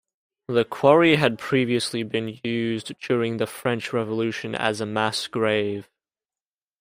The quarry had previously been used during the French Revolution as a mass grave.